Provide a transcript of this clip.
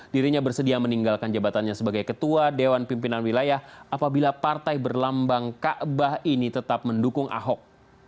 dirinya bersedia meninggalkan jabatannya sebagai ketua dewan pimpinan wilayah apabila partai berlambang kaabah ini tetap mendukung ahok